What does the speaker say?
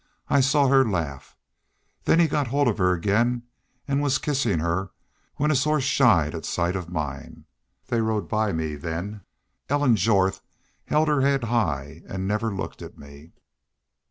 I saw her laugh. Then he got hold of her again and was kissin' her when his horse shied at sight of mine. They rode by me then. Ellen Jorth held her head high and never looked at me."